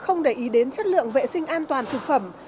không để ý đến chất lượng vệ sinh an toàn thực phẩm